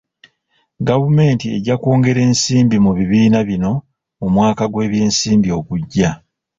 Gavumenti ejja kwongera ensimbi mu bibiina bino mu mwaka gw'ebyensimbi ogujja.